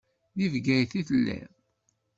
Deg Bgayet i telliḍ.